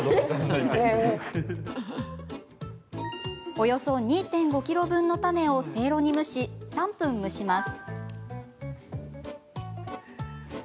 およそ２．５ｋｇ分の種をせいろに蒸し、３分蒸します。